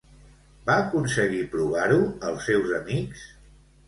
Va aconseguir provar-ho als seus amics?